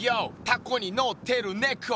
タコにのってるねこ」